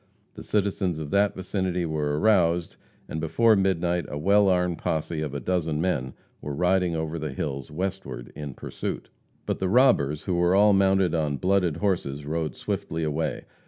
The citizens of that vicinity were aroused, and before midnight a well armed posse of a dozen men were riding over the hills westward in pursuit. But the robbers, who were all mounted on blooded horses, rode swiftly away.